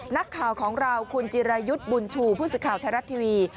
นักข่าวของเราคุณจิรายุทธ์บุญชูผู้สื่อข่าวไทยรัฐทีวี